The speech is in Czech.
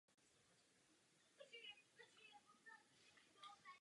Na olympijských hrách v Londýně postoupil do druhého kola.